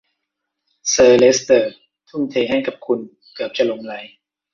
เซอร์เลสเตอร์ทุ่มเทให้กับคุณเกือบจะหลงใหล